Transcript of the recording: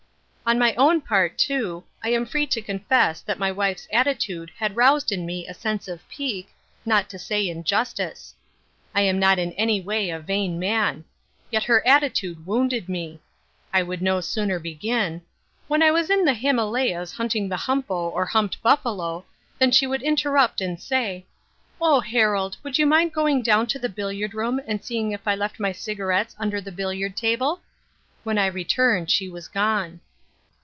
On my own part, too, I am free to confess that my wife's attitude had aroused in me a sense of pique, not to say injustice. I am not in any way a vain man. Yet her attitude wounded me. I would no sooner begin, "When I was in the Himalayas hunting the humpo or humped buffalo," than she would interrupt and say, "Oh, Harold, would you mind going down to the billiard room and seeing if I left my cigarettes under the billiard table?" When I returned, she was gone.